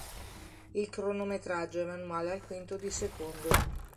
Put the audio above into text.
Il cronometraggio è manuale al quinto di secondo.